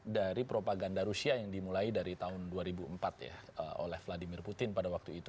dari propaganda rusia yang dimulai dari tahun dua ribu empat ya oleh vladimir putin pada waktu itu